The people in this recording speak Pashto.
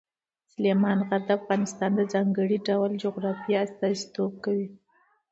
سلیمان غر د افغانستان د ځانګړي ډول جغرافیه استازیتوب کوي.